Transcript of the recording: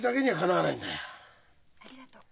ありがとう。